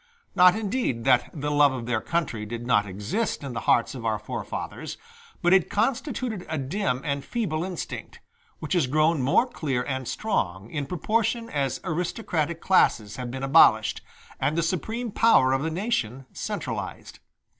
Not indeed that the love of their country did not exist in the hearts of our forefathers; but it constituted a dim and feeble instinct, which has grown more clear and strong in proportion as aristocratic classes have been abolished, and the supreme power of the nation centralized.